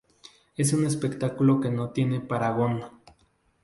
Es un espectáculo que no tiene parangón.